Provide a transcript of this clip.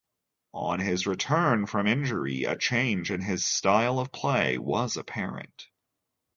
On his return from injury, a change in his style of play was apparent.